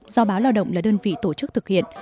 do báo lao động là đơn vị tổ chức thực hiện